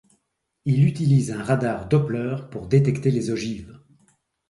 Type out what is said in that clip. Il utilise un radar Doppler pour détecter les ogives.